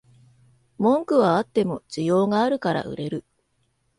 文句はあっても需要があるから売れる